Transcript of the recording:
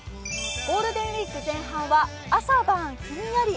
ゴールデンウイーク前半は朝晩ひんやり。